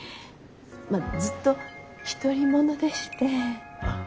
まっずっと独り者でして。